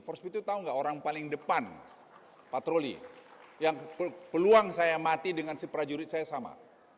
for speed itu tahu nggak orang paling depan patroli yang peluang saya mati dengan si prajurit saya sama